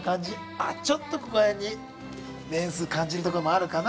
あっちょっとここら辺に年数感じるところもあるかな。